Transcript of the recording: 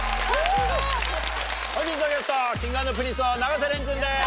本日のゲストはＫｉｎｇ＆Ｐｒｉｎｃｅの永瀬廉君です！